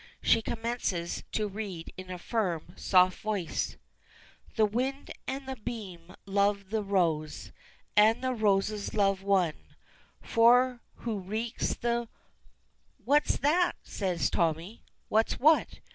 She commences to read in a firm, soft voice: "The wind and the beam loved the rose, And the roses loved one: For who recks the " "What's that?" says Tommy. "What's what?"